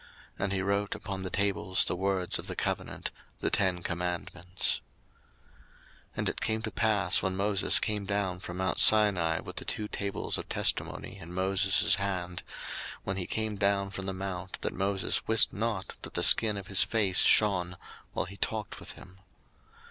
And he wrote upon the tables the words of the covenant, the ten commandments. 02:034:029 And it came to pass, when Moses came down from mount Sinai with the two tables of testimony in Moses' hand, when he came down from the mount, that Moses wist not that the skin of his face shone while he talked with him.